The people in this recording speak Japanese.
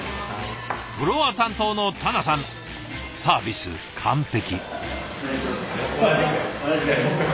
フロア担当の田名さんサービス完璧。